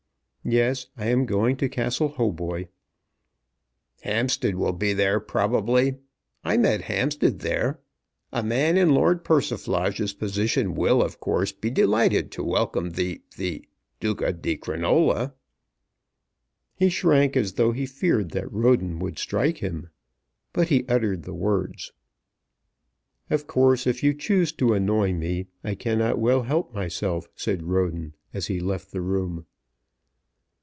"Yes; I am going to Castle Hautboy." "Hampstead will be there probably. I met Hampstead there. A man in Lord Persiflage's position will, of course, be delighted to welcome the the Duca di Crinola." He shrank as though he feared that Roden would strike him but he uttered the words. "Of course, if you choose to annoy me, I cannot well help myself," said Roden as he left the room.